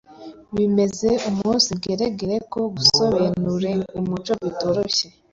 Bimeze umunsigeregere ko gusobenure umuco bitoroshye;